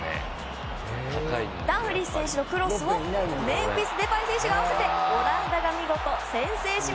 ダンフリース選手のクロスをメンフィス・デパイ選手が合わせてオランダが見事先制！